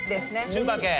中華系。